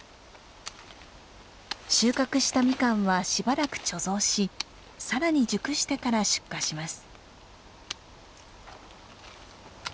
収穫したミカンはしばらく貯蔵しさらに熟してから出荷します。